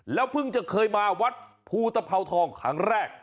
เพิ่งจะเคยมาวัดภูตภาวทองครั้งแรก